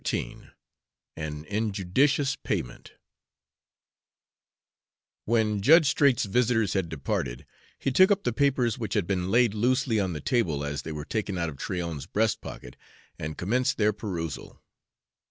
XIII AN INJUDICIOUS PAYMENT When Judge Straight's visitors had departed, he took up the papers which had been laid loosely on the table as they were taken out of Tryon's breast pocket, and commenced their perusal.